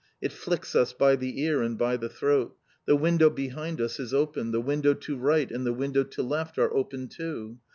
It flicks us by the ear and by the throat. The window behind us is open. The window to right and the window to left are open too.